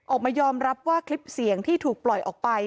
ออกมายอมรับว่าคลิปเสียงที่ถูกปล่อยออกไป